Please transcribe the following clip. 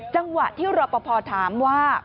จังหวะที่รอบพอร์ถามว่า